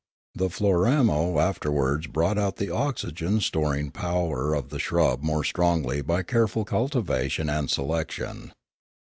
The Floramo afterwards brought out the oxygen storing power of the shrub more strongly by careful cultivation and. selection.